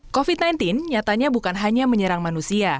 covid sembilan belas nyatanya bukan hanya menyerang manusia